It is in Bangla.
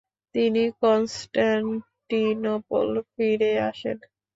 তিনি কনস্টান্টিনোপল ফিরে আসেন।